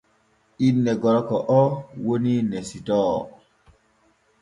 Inne gorko oo woni Nesitoo.